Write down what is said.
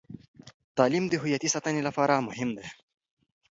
تعلیم د هویتي ساتنې لپاره مهم دی.